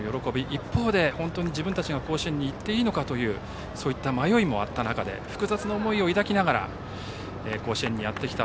一方で自分たちが甲子園に本当に行っていいのかという迷いもあった中で複雑な思いを抱きながら甲子園にやってきた